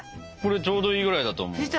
これちょうどいいぐらいだと思う。